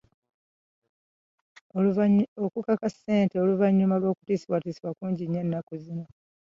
Okukaka ssente oluvannyuma lw'okutiisibwatiisibwa kungi nnyo ennaku zino.